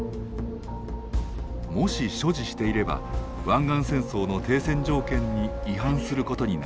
もし所持していれば湾岸戦争の停戦条件に違反することになります。